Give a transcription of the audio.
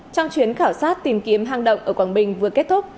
trong chuyến khảo sát tìm kiếm hang động ở quảng bình vừa kết thúc